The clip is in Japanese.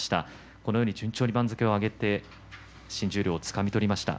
このように順調に番付を上げて新十両をつかみ取りました。